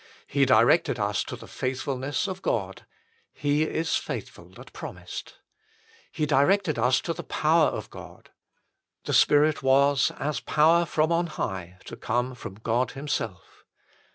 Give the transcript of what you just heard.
1 He directed us to the faithfulness of God :" He is faithful that promised." 2 He directed us to the power of God : the Spirit was, as power from on high, to come from God Himself.